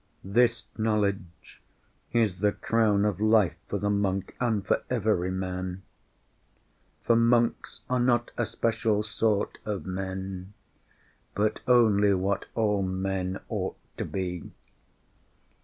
This knowledge is the crown of life for the monk and for every man. For monks are not a special sort of men, but only what all men ought to be.